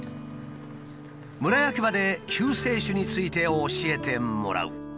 村役場で救世主について教えてもらう。